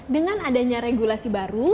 dengan adanya regulasi baru